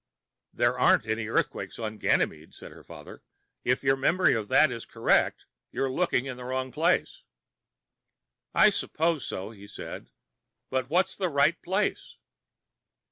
"There aren't any earthquakes on Ganymede," said her father. "If your memory of that incident is correct, you're looking in the wrong place." "I suppose so," he said. "But what's the right place?"